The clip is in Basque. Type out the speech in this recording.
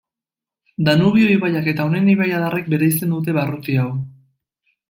Danubio ibaiak eta honen ibaiadarrek bereizten dute barruti hau.